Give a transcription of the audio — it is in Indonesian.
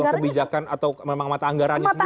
atau kebijakan atau memang mata anggarannya sendiri